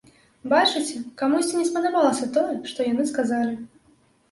Бачыце, камусьці не спадабалася тое, што яны сказалі!